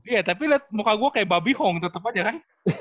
iya tapi lihat muka gue kayak babi hong tetep aja kan